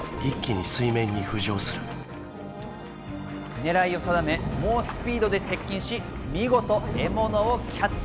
狙いを定め、猛スピードで接近し、見事、獲物をキャッチ。